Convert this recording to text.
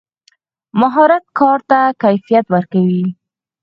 مهارت کار ته کیفیت ورکوي.